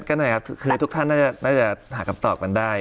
ก็หน่อยครับคือทุกท่านน่าจะหาคำตอบกันได้